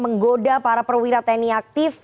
menggoda para perwira tni aktif